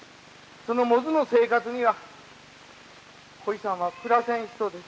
その百舌の生活にはこいさんは暮らせん人です。